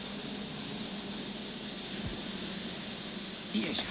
よいしょ